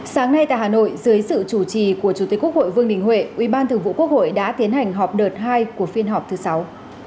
sáng nay tại hà nội dưới sự chủ trì của chủ tịch quốc hội vương đình huệ ubthq đã tiến hành họp đợt hai của phiên họp thứ sáu